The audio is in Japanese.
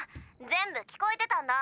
全部聞こえてたんだ。